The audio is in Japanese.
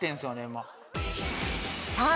今さあ